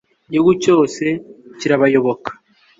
igihugu cyose kirabayoboka